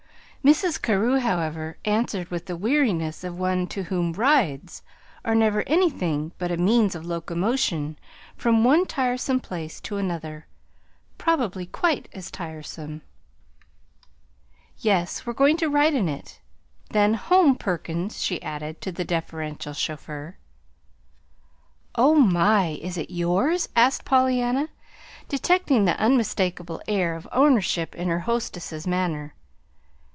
Mrs. Carew, however, answered with the weariness of one to whom "rides" are never anything but a means of locomotion from one tiresome place to another probably quite as tiresome. "Yes, we're going to ride in it." Then "Home, Perkins," she added to the deferential chauffeur. "Oh, my, is it yours?" asked Pollyanna, detecting the unmistakable air of ownership in her hostess's manner.